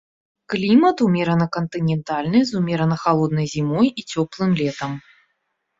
Клімат умерана-кантынентальны з умерана халоднай зімой і цёплым летам.